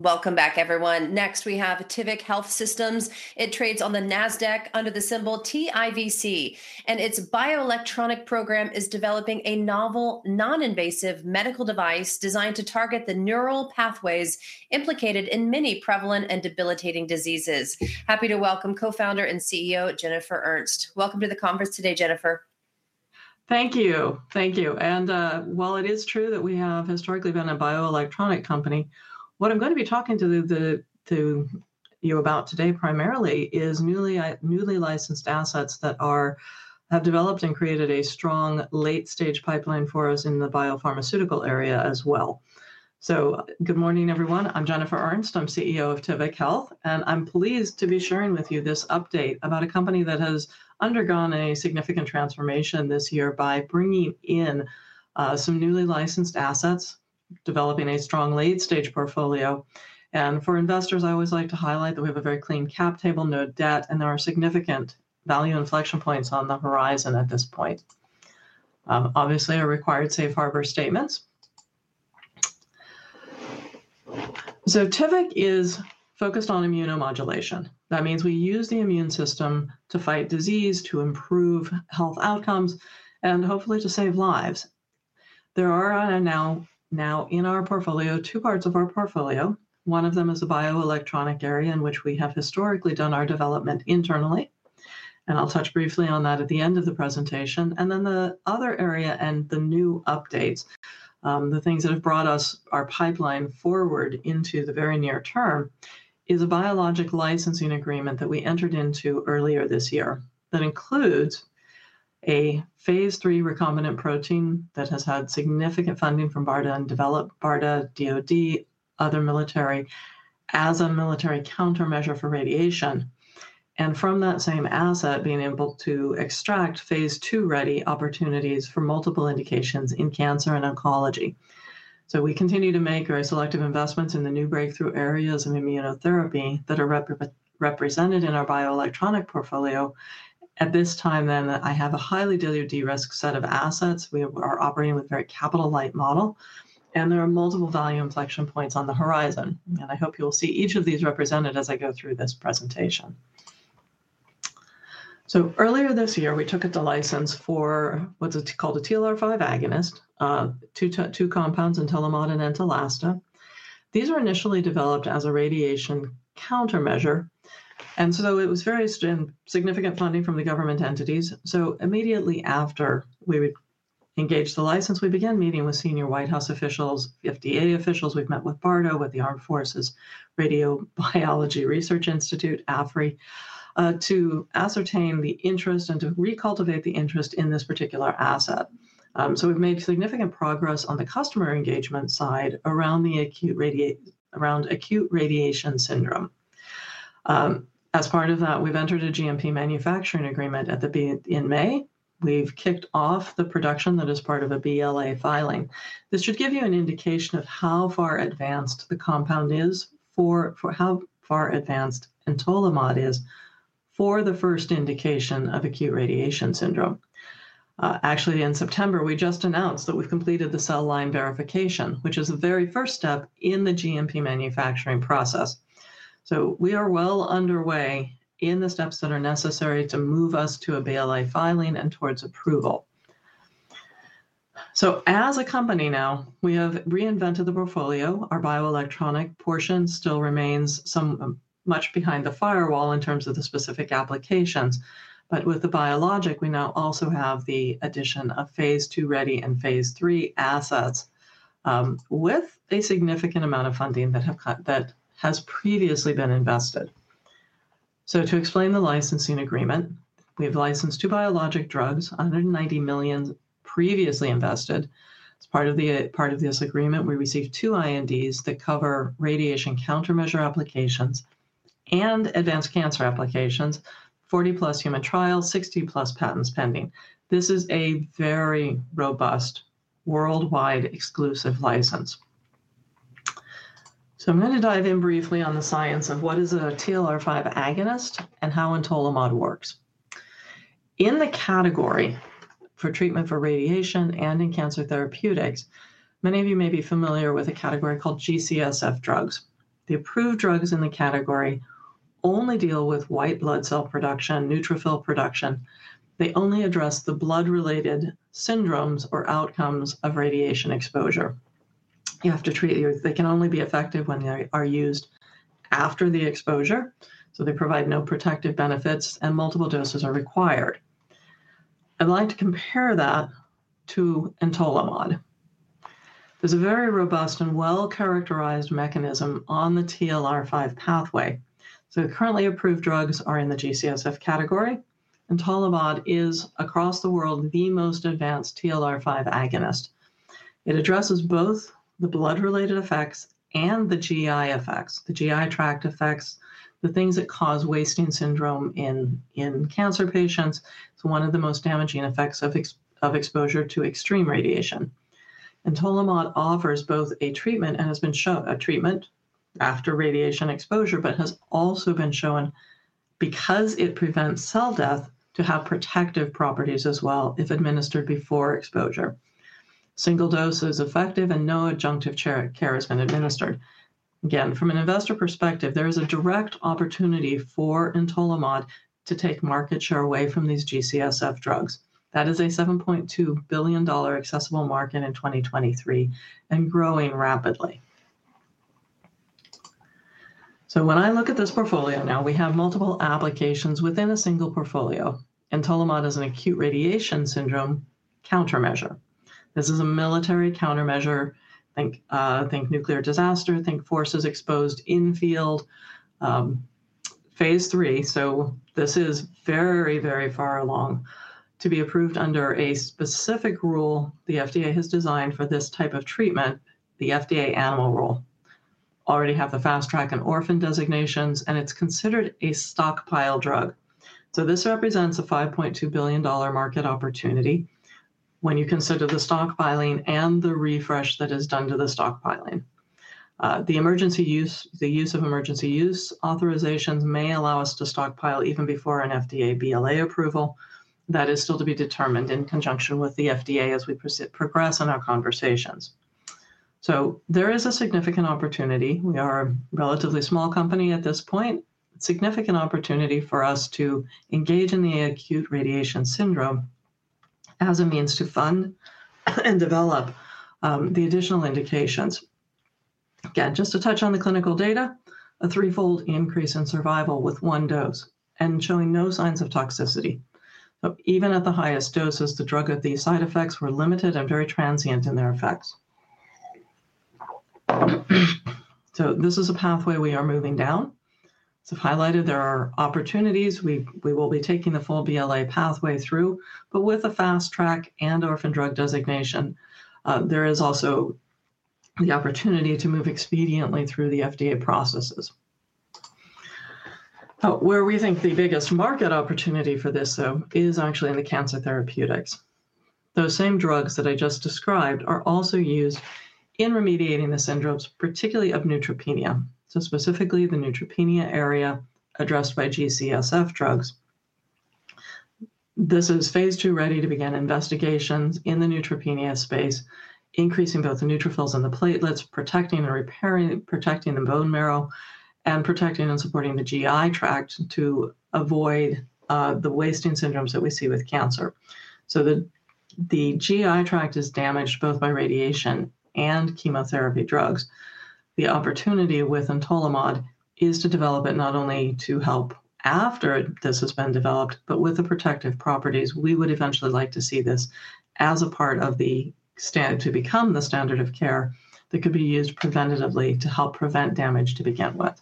Welcome back, everyone. Next, we have Tivic Health Systems. It trades on the NASDAQ under the symbol TIVC, and its bioelectronic program is developing a novel, non-invasive medical device designed to target the neural pathways implicated in many prevalent and debilitating diseases. Happy to welcome Co-founder and CEO, Jennifer Ernst. Welcome to the conference today, Jennifer. Thank you. Thank you. While it is true that we have historically been a bioelectronic company, what I'm going to be talking to you about today primarily is newly licensed assets that have developed and created a strong late-stage pipeline for us in the biopharmaceutical area as well. Good morning, everyone. I'm Jennifer Ernst. I'm CEO of Tivic Health, and I'm pleased to be sharing with you this update about a company that has undergone a significant transformation this year by bringing in some newly licensed assets, developing a strong late-stage portfolio. For investors, I always like to highlight that we have a very clean cap table, no debt, and there are significant value inflection points on the horizon at this point. Obviously, our required safe harbor statements. Tivic is focused on immunomodulation. That means we use the immune system to fight disease, to improve health outcomes, and hopefully to save lives. There are now in our portfolio two parts of our portfolio. One of them is a bioelectronic area in which we have historically done our development internally, and I'll touch briefly on that at the end of the presentation. The other area and the new updates, the things that have brought our pipeline forward into the very near term, is a biologic licensing agreement that we entered into earlier this year that includes a phase three recombinant protein that has had significant funding from BARDA and developed BARDA, Department of Defense, and other military as a military countermeasure for radiation. From that same asset, being able to extract phase two-ready opportunities for multiple indications in cancer and oncology. We continue to make very selective investments in the new breakthrough areas of immunotherapy that are represented in our bioelectronic portfolio. At this time, I have a highly Department of Defense risk set of assets. We are operating with a very capital-light model, and there are multiple value inflection points on the horizon. I hope you will see each of these represented as I go through this presentation. Earlier this year, we took the license for what's called a TLR5 agonist, two compounds, Entolimod and Entolasta. These were initially developed as a radiation countermeasure, and so it was very significant funding from the government entities. Immediately after we engaged the license, we began meeting with senior White House officials, FDA officials. We've met with BARDA, with the Armed Forces Radiobiology Research Institute, AFRRI, to ascertain the interest and to recultivate the interest in this particular asset. We've made significant progress on the customer engagement side around acute radiation syndrome. As part of that, we've entered a GMP manufacturing agreement in May. We've kicked off the production that is part of a BLA filing. This should give you an indication of how far advanced the compound is, for how far advanced Entolimod is for the first indication of acute radiation syndrome. Actually, in September, we just announced that we've completed the cell line verification, which is the very first step in the GMP manufacturing process. We are well underway in the steps that are necessary to move us to a BLA filing and towards approval. As a company now, we have reinvented the portfolio. Our bioelectronic portion still remains much behind the firewall in terms of the specific applications, but with the biologic, we now also have the addition of phase two-ready and phase three assets with a significant amount of funding that has previously been invested. To explain the licensing agreement, we have licensed two biologic drugs, $190 million previously invested. As part of this agreement, we received two INDs that cover radiation countermeasure applications and advanced cancer applications, 40+ human trials, 60+ patents pending. This is a very robust, worldwide exclusive license. I'm going to dive in briefly on the science of what is a TLR5 agonist and how Entolimod works. In the category for treatment for radiation and in cancer therapeutics, many of you may be familiar with a category called GCSF drugs. The approved drugs in the category only deal with white blood cell production, neutrophil production. They only address the blood-related syndromes or outcomes of radiation exposure. You have to treat; they can only be effective when they are used after the exposure, so they provide no protective benefits, and multiple doses are required. I'd like to compare that to Entolimod. There's a very robust and well-characterized mechanism on the TLR5 pathway. Currently approved drugs are in the GCSF category, and Entolimod is across the world the most advanced TLR5 agonist. It addresses both the blood-related effects and the GI effects, the GI tract effects, the things that cause wasting syndrome in cancer patients. It's one of the most damaging effects of exposure to extreme radiation. Entolimod offers both a treatment and has been shown a treatment after radiation exposure, but has also been shown because it prevents cell death to have protective properties as well if administered before exposure. Single dose is effective, and no adjunctive care has been administered. Again, from an investor perspective, there is a direct opportunity for Entolimod to take market share away from these GCSF drugs. That is a $7.2 billion accessible market in 2023 and growing rapidly. When I look at this portfolio now, we have multiple applications within a single portfolio. Entolimod is an acute radiation syndrome countermeasure. This is a military countermeasure. Think nuclear disaster, think forces exposed in field, phase three. This is very, very far along to be approved under a specific rule the FDA has designed for this type of treatment, the FDA animal rule. Already have the fast track and orphan designations, and it's considered a stockpile drug. This represents a $5.2 billion market opportunity when you consider the stockpiling and the refresh that is done to the stockpiling. The use of emergency use authorizations may allow us to stockpile even before an FDA BLA approval. That is still to be determined in conjunction with the FDA as we progress in our conversations. There is a significant opportunity. We are a relatively small company at this point. Significant opportunity for us to engage in the acute radiation syndrome as a means to fund and develop the additional indications. Again, just to touch on the clinical data, a threefold increase in survival with one dose and showing no signs of toxicity. Even at the highest doses, the drug of these side effects were limited and very transient in their effects. This is a pathway we are moving down. As I've highlighted, there are opportunities. We will be taking the full BLA pathway through, but with a fast track and orphan drug designation, there is also the opportunity to move expediently through the FDA processes. Where we think the biggest market opportunity for this is actually in the cancer therapeutics. Those same drugs that I just described are also used in remediating the syndromes, particularly of neutropenia, so specifically the neutropenia area addressed by GCSF drugs. This is phase two ready to begin investigations in the neutropenia space, increasing both the neutrophils and the platelets, protecting and repairing, protecting the bone marrow, and protecting and supporting the GI tract to avoid the wasting syndromes that we see with cancer. The GI tract is damaged both by radiation and chemotherapy drugs. The opportunity within Entolimod is to develop it not only to help after this has been developed, but with the protective properties, we would eventually like to see this as a part of the standard of care that could be used preventatively to help prevent damage to begin with.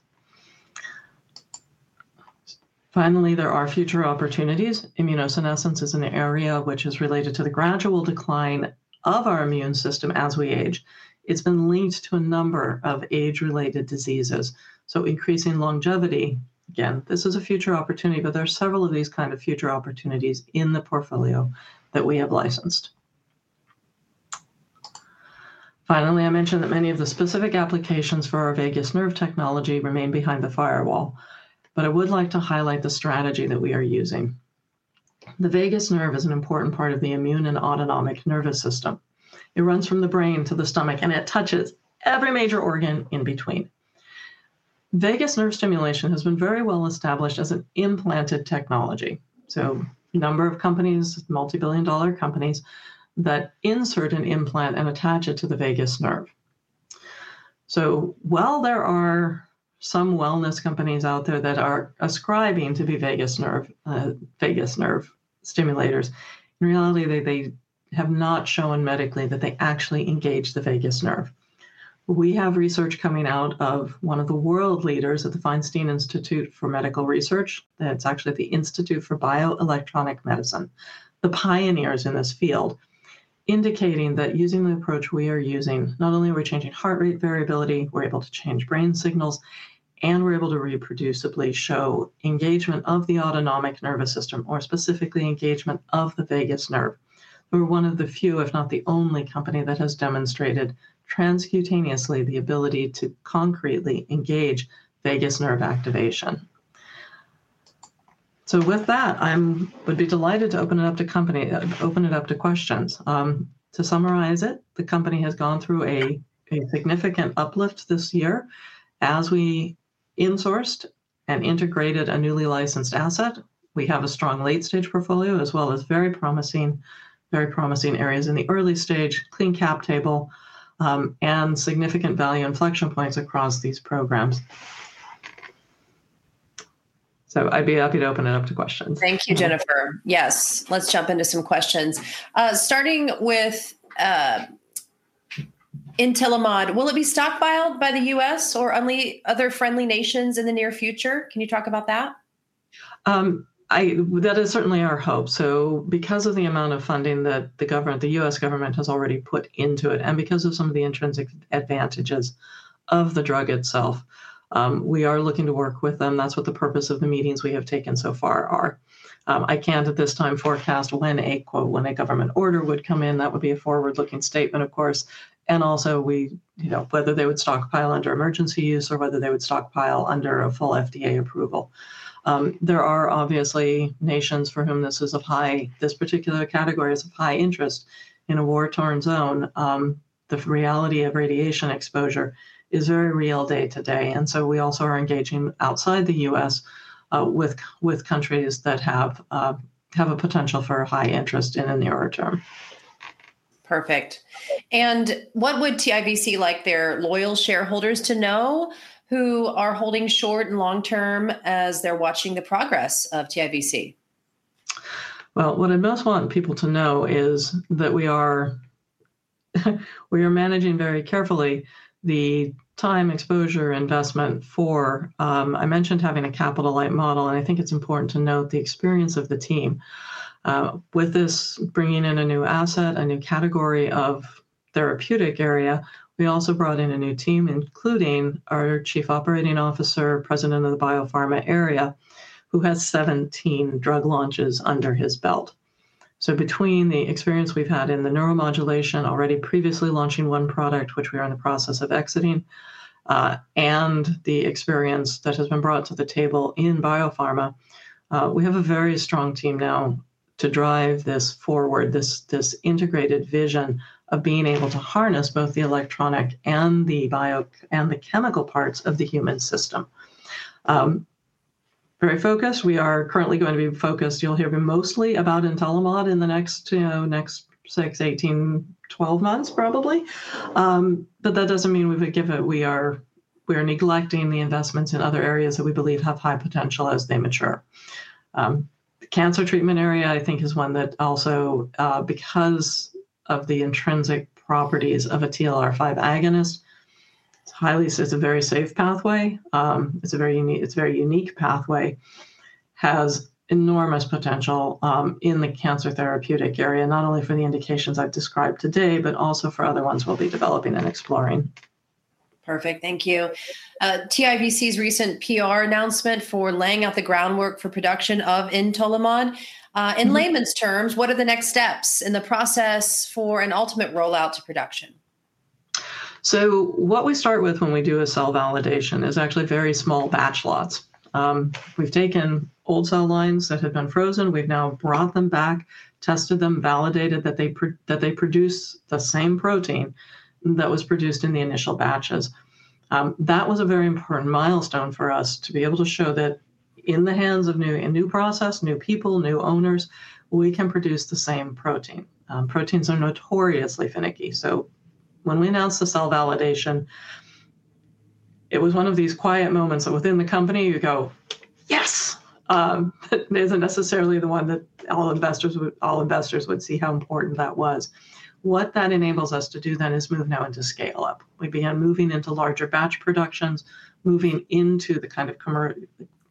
There are future opportunities. Immunosenescence is an area which is related to the gradual decline of our immune system as we age. It's been linked to a number of age-related diseases, so increasing longevity. This is a future opportunity, but there are several of these kinds of future opportunities in the portfolio that we have licensed. I mentioned that many of the specific applications for our vagus nerve technology remain behind the firewall, but I would like to highlight the strategy that we are using. The vagus nerve is an important part of the immune and autonomic nervous system. It runs from the brain to the stomach, and it touches every major organ in between. Vagus nerve stimulation has been very well established as an implanted technology. A number of companies, multi-billion dollar companies, insert an implant and attach it to the vagus nerve. While there are some wellness companies out there that are ascribing to be vagus nerve stimulators, in reality, they have not shown medically that they actually engage the vagus nerve. We have research coming out of one of the world leaders at the Feinstein Institute for Medical Research. It's actually the Institute for Bioelectronic Medicine, the pioneers in this field, indicating that using the approach we are using, not only are we changing heart rate variability, we're able to change brain signals, and we're able to reproducibly show engagement of the autonomic nervous system, or specifically engagement of the vagus nerve. We're one of the few, if not the only, company that has demonstrated transcutaneously the ability to concretely engage vagus nerve activation. With that, I would be delighted to open it up to questions. To summarize it, the company has gone through a significant uplift this year as we insourced and integrated a newly licensed asset. We have a strong late-stage portfolio, as well as very promising areas in the early stage, clean cap table, and significant value inflection points across these programs. I'd be happy to open it up to questions. Thank you, Jennifer. Yes, let's jump into some questions. Starting with Entolimod, will it be stockpiled by the U.S. or only other friendly nations in the near future? Can you talk about that? That is certainly our hope. Because of the amount of funding that the U.S. government has already put into it, and because of some of the intrinsic advantages of the drug itself, we are looking to work with them. That's what the purpose of the meetings we have taken so far are. I can't at this time forecast when a, quote, "government order" would come in. That would be a forward-looking statement, of course. Also, whether they would stockpile under emergency use or whether they would stockpile under a full FDA approval. There are obviously nations for whom this particular category is of high interest in a war-torn zone. The reality of radiation exposure is very real day-to-day, and we also are engaging outside the U.S. with countries that have a potential for a high interest in the nearer term. What would Tivic Health Systems like their loyal shareholders to know who are holding short and long term as they're watching the progress of TIVC? What I most want people to know is that we are managing very carefully the time exposure investment for, I mentioned having a capital-light model, and I think it's important to note the experience of the team. With this bringing in a new asset, a new category of therapeutic area, we also brought in a new team, including our Chief Operating Officer, President of the Biopharma area, who has 17 drug launches under his belt. Between the experience we've had in the neuromodulation, already previously launching one product, which we are in the process of exiting, and the experience that has been brought to the table in biopharma, we have a very strong team now to drive this forward, this integrated vision of being able to harness both the electronic and the chemical parts of the human system. Very focused. We are currently going to be focused, you'll hear mostly about Entolimod in the next 6, 18, 12 months, probably. That doesn't mean we would give up. We are neglecting the investments in other areas that we believe have high potential as they mature. The cancer treatment area, I think, is one that also, because of the intrinsic properties of a TLR5 agonist, highly is a very safe pathway. It's a very unique pathway. It has enormous potential in the cancer therapeutic area, not only for the indications I've described today, but also for other ones we'll be developing and exploring. Perfect. Thank you. Tivic Health Systems' recent PR announcement for laying out the groundwork for production of Entolimod. In layman's terms, what are the next steps in the process for an ultimate rollout to production? What we start with when we do a cell validation is actually very small batch lots. We've taken old cell lines that have been frozen. We've now brought them back, tested them, validated that they produce the same protein that was produced in the initial batches. That was a very important milestone for us to be able to show that in the hands of a new process, new people, new owners, we can produce the same protein. Proteins are notoriously finicky. When we announced the cell validation, it was one of these quiet moments that within the company you go, yes, isn't necessarily the one that all investors would see how important that was. That enables us to move now into scale-up. We begin moving into larger batch productions, moving into the kind of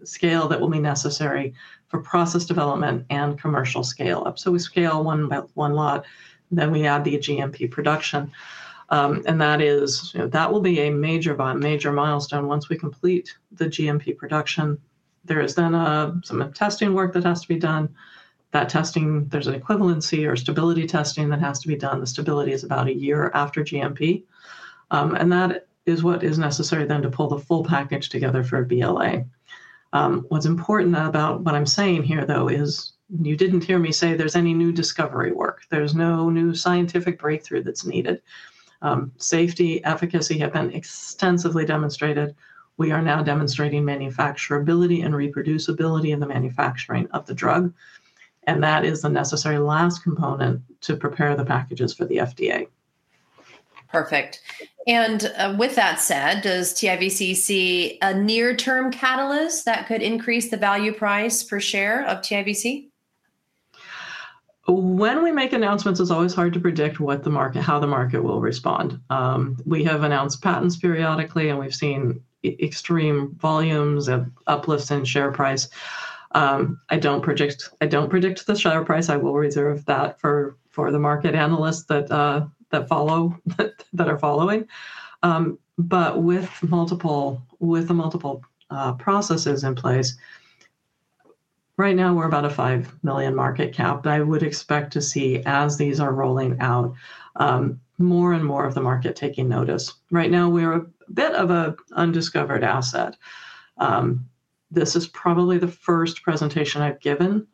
scale that will be necessary for process development and commercial scale-up. We scale one by one lot, then we add the GMP production. That will be a major milestone once we complete the GMP production. There is then some testing work that has to be done. That testing, there's an equivalency or stability testing that has to be done. The stability is about a year after GMP. That is what is necessary then to pull the full package together for a BLA. What's important about what I'm saying here though is you didn't hear me say there's any new discovery work. There's no new scientific breakthrough that's needed. Safety, efficacy have been extensively demonstrated. We are now demonstrating manufacturability and reproducibility in the manufacturing of the drug. That is the necessary last component to prepare the packages for the FDA. Perfect. With that said, does TIVC see a near-term catalyst that could increase the value price per share of TIVC? When we make announcements, it's always hard to predict how the market will respond. We have announced patents periodically, and we've seen extreme volumes of uplifts in share price. I don't predict the share price. I will reserve that for the market analysts that are following. With the multiple processes in place, right now we're about a $5 million market cap. I would expect to see, as these are rolling out, more and more of the market taking notice. Right now we're a bit of an undiscovered asset. This is probably the first presentation I've given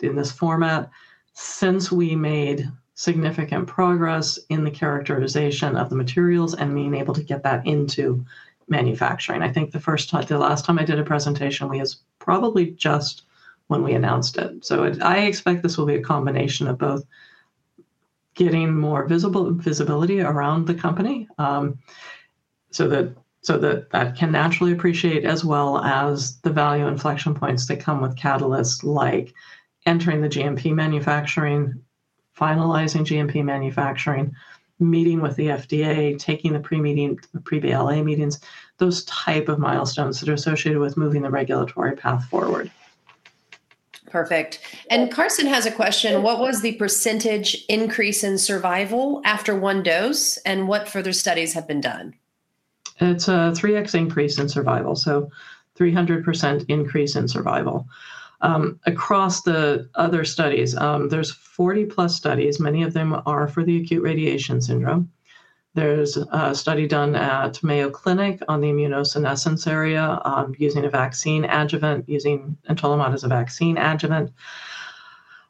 in this format since we made significant progress in the characterization of the materials and being able to get that into manufacturing. I think the last time I did a presentation was probably just when we announced it. I expect this will be a combination of both getting more visibility around the company so that can naturally appreciate, as well as the value inflection points that come with catalysts like entering the GMP manufacturing, finalizing GMP manufacturing, meeting with the FDA, taking the pre-BLA meetings, those types of milestones that are associated with moving the regulatory path forward. Perfect. Carson has a question. What was the % increase in survival after one dose, and what further studies have been done? It's a 3x increase in survival, so 300% increase in survival. Across the other studies, there's 40 plus studies. Many of them are for the acute radiation syndrome. There's a study done at Mayo Clinic on the immunosenescence area using a vaccine adjuvant, using Entolimod as a vaccine adjuvant.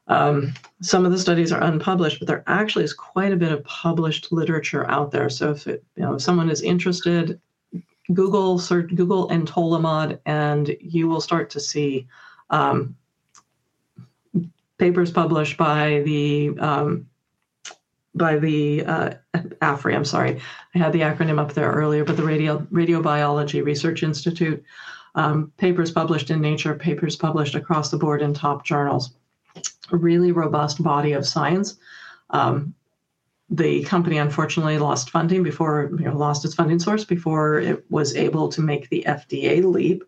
Some of the studies are unpublished, but there actually is quite a bit of published literature out there. If someone is interested, Google Entolimod, and you will start to see papers published by the AFRI. I'm sorry, I had the acronym up there earlier, but the Radiobiology Research Institute, papers published in Nature, papers published across the board in top journals, a really robust body of science. The company, unfortunately, lost its funding source before it was able to make the FDA leap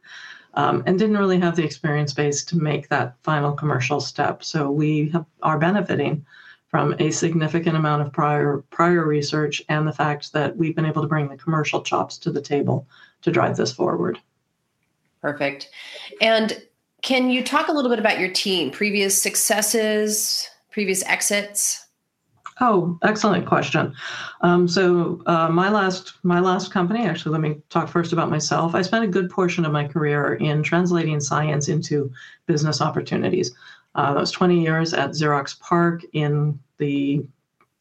and didn't really have the experience base to make that final commercial step. We are benefiting from a significant amount of prior research and the fact that we've been able to bring the commercial chops to the table to drive this forward. Perfect. Can you talk a little bit about your team, previous successes, previous exits? Oh, excellent question. My last company, actually, let me talk first about myself. I spent a good portion of my career in translating science into business opportunities. That was 20 years at Xerox PARC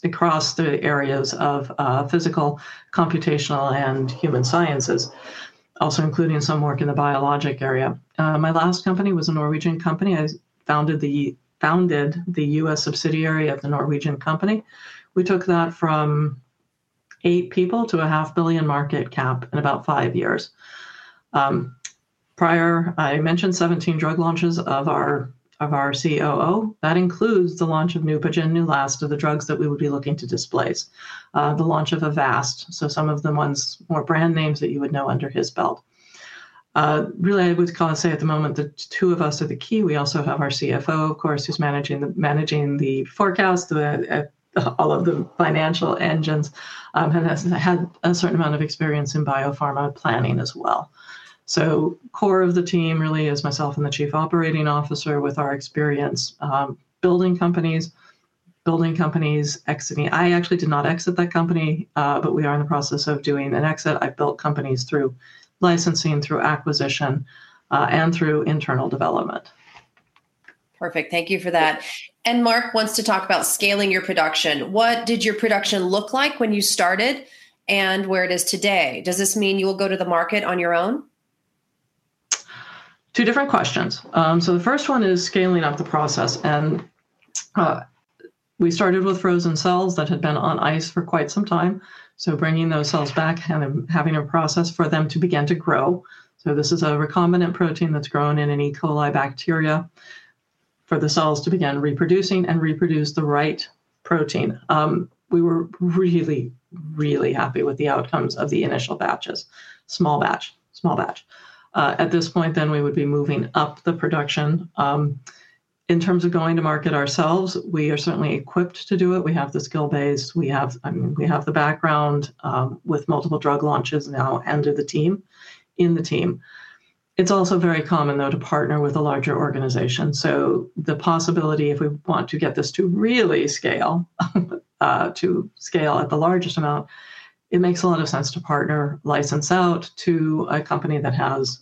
across the areas of physical, computational, and human sciences, also including some work in the biologic area. My last company was a Norwegian company. I founded the U.S. subsidiary at the Norwegian company. We took that from eight people to a $500 million market cap in about five years. Prior, I mentioned 17 drug launches of our COO. That includes the launch of Neupogen, Neulasta, the drugs that we would be looking to displace, the launch of Avast, so some of the ones more brand names that you would know under his belt. Really, I would say at the moment the two of us are the key. We also have our CFO, of course, who's managing the forecast, all of the financial engines, and has had a certain amount of experience in biopharma planning as well. The core of the team really is myself and the Chief Operating Officer with our experience building companies, building companies, exiting. I actually did not exit that company, but we are in the process of doing an exit. I built companies through licensing, through acquisition, and through internal development. Perfect. Thank you for that. Mark wants to talk about scaling your production. What did your production look like when you started, and where is it today? Does this mean you will go to the market on your own? Two different questions. The first one is scaling up the process. We started with frozen cells that had been on ice for quite some time, bringing those cells back and having a process for them to begin to grow. This is a recombinant protein that's grown in an E. coli bacteria for the cells to begin reproducing and reproduce the right protein. We were really, really happy with the outcomes of the initial batches, small batch, small batch. At this point, we would be moving up the production. In terms of going to market ourselves, we are certainly equipped to do it. We have the skill base. We have the background with multiple drug launches now under the team, in the team. It is also very common, though, to partner with a larger organization. The possibility, if we want to get this to really scale, to scale at the largest amount, it makes a lot of sense to partner, license out to a company that has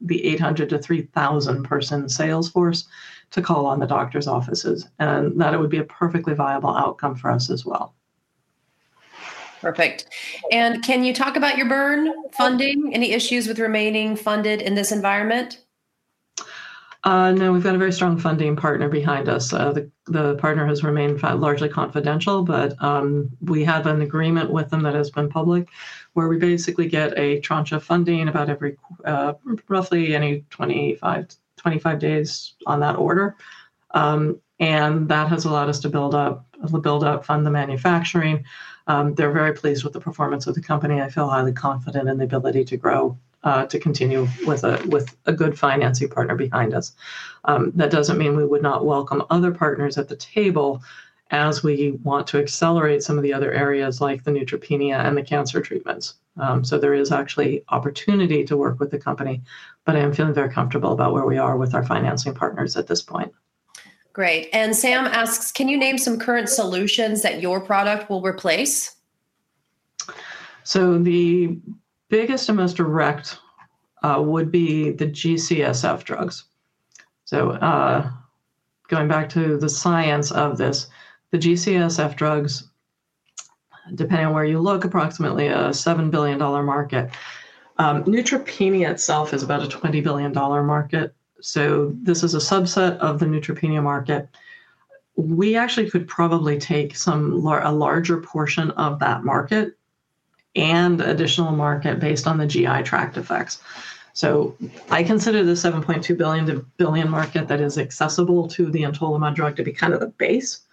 the 800 to 3,000 person sales force to call on the doctor's offices. That would be a perfectly viable outcome for us as well. Perfect. Can you talk about your burn funding? Any issues with remaining funded in this environment? No, we've got a very strong funding partner behind us. The partner has remained largely confidential, but we have an agreement with them that has been public where we basically get a tranche of funding about every, roughly every 25 days on that order. That has allowed us to build up, build up, fund the manufacturing. They're very pleased with the performance of the company. I feel highly confident in the ability to grow, to continue with a good financing partner behind us. That doesn't mean we would not welcome other partners at the table as we want to accelerate some of the other areas like the neutropenia and the cancer treatments. There is actually opportunity to work with the company, but I am feeling very comfortable about where we are with our financing partners at this point. Great. Sam asks, can you name some current solutions that your product will replace? The biggest and most direct would be the GCSF drugs. Going back to the science of this, the GCSF drugs, depending on where you look, are approximately a $7 billion market. Neutropenia itself is about a $20 billion market. This is a subset of the neutropenia market. We actually could probably take a larger portion of that market and additional market based on the GI tract effects. I consider the $7.2 billion market that is accessible to the Entolimod drug to be kind of a base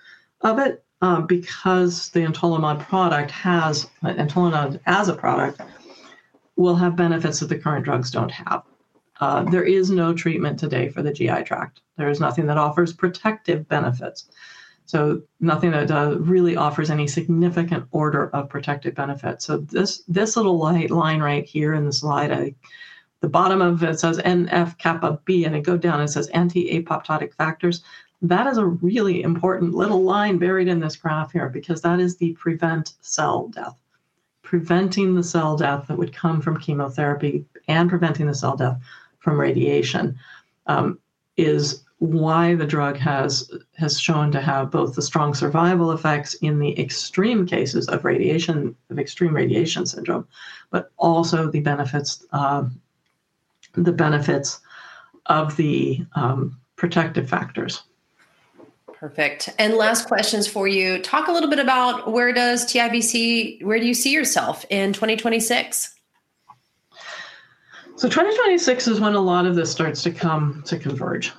of it because the Entolimod product has, Entolimod as a product, will have benefits that the current drugs don't have. There is no treatment today for the GI tract. There is nothing that offers protective benefits, nothing that really offers any significant order of protective benefits. This little line right here in the slide, the bottom of it says NF kappa B, and it goes down and says anti-apoptotic factors. That is a really important little line buried in this graph here because that is the prevent cell death. Preventing the cell death that would come from chemotherapy and preventing the cell death from radiation is why the drug has shown to have both the strong survival effects in the extreme cases of acute radiation syndrome, but also the benefits of the protective factors. Perfect. Last questions for you. Talk a little bit about where does Tivic Health Systems, where do you see yourself in 2026? 2026 is when a lot of this starts to come to converge.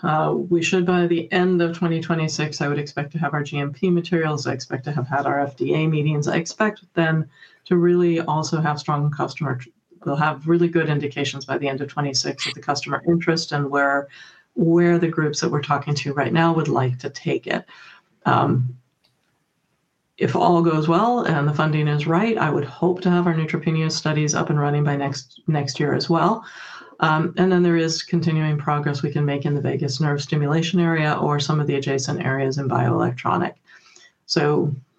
We should, by the end of 2026, I would expect to have our GMP materials. I expect to have had our FDA meetings. I expect then to really also have strong customer. We'll have really good indications by the end of 2026 of the customer interest and where the groups that we're talking to right now would like to take it. If all goes well and the funding is right, I would hope to have our neutropenia studies up and running by next year as well. There is continuing progress we can make in the vagus nerve stimulation area or some of the adjacent areas in bioelectronic.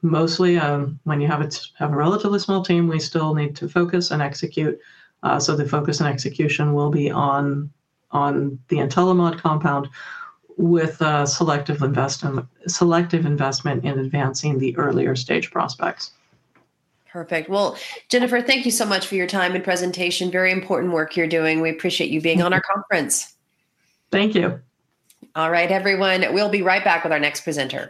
Mostly when you have a relatively small team, we still need to focus and execute. The focus and execution will be on the Entolimod compound with a selective investment in advancing the earlier stage prospects. Perfect. Jennifer, thank you so much for your time and presentation. Very important work you're doing. We appreciate you being on our conference. Thank you. All right, everyone. We'll be right back with our next presenter.